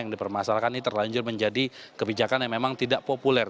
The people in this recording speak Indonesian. yang dipermasalahkan ini terlanjur menjadi kebijakan yang memang tidak populer